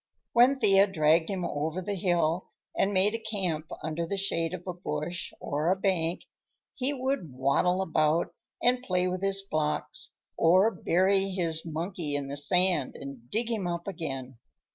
When Thea dragged him over the hill and made a camp under the shade of a bush or a bank, he would waddle about and play with his blocks, or bury his monkey in the sand and dig him up again.